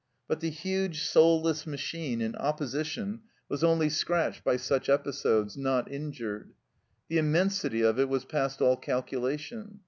But the huge soulless machine in opposition was only scratched by such episodes, not injured. The immensity of it was past all calculation.